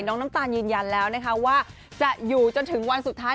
น้องน้องตาลยืนยันแล้วว่าจะอยู่จนถึงวันสุดท้าย